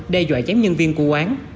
đe dọa chém nhân viên của quán